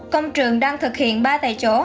công trường đang thực hiện ba tại chỗ